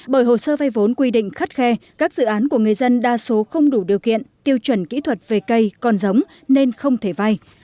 bởi hồ sơ vay vốn quy định khắt khe các dự án của người dân đa số không đủ điều kiện tiêu chuẩn kỹ thuật về cây còn giống nên không thể vay